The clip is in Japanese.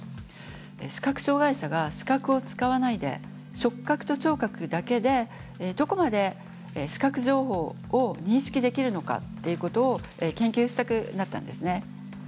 視覚障害者が視覚を使わないで触覚と聴覚だけでどこまで視覚情報を認識できるのかっていうことを研究したくなったんですね。